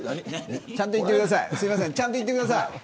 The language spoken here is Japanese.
ちゃんと言ってください。